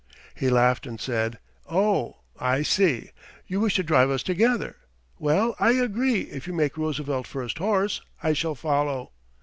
He laughed and said: "Oh, I see! You wish to drive us together. Well, I agree if you make Roosevelt first horse, I shall follow."